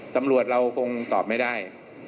ตำรวจเราคงตอบไม่ได้